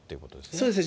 そうですね。